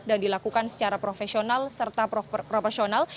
dan dilakukan secara profesional serta proporsional